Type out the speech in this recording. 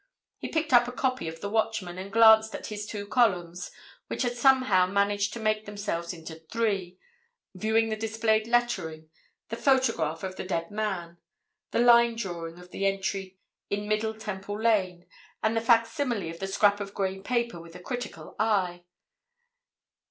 He picked up a copy of the Watchman, and glanced at his two columns, which had somehow managed to make themselves into three, viewing the displayed lettering, the photograph of the dead man, the line drawing of the entry in Middle Temple Lane, and the facsimile of the scrap of grey paper, with a critical eye.